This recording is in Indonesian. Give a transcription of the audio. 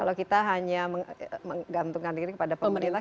kalau kita hanya menggantungkan diri kepada pemerintah